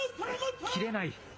切れない。